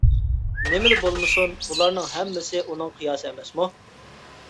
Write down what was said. نېمىلا بولمىسۇن بۇلارنىڭ ھەممىسى ئۇنىڭ قىياسى ئەمەسمۇ.